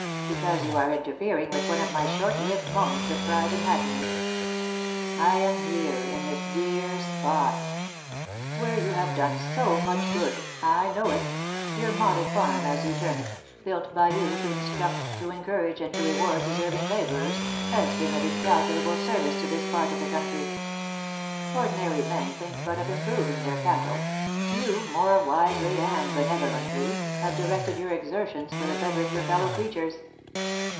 "Because you are interfering with one of my short lived moments of pride and happiness. I am here, in this dear spot!" "Where you have done so much good. I know it. Your 'model farm,' as you term it, built by you to instruct, to encourage, and to reward deserving labourers, has been of incalculable service to this part of the country. Ordinary men think but of improving their cattle; you, more wisely and benevolently, have directed your exertions for the bettering your fellow creatures.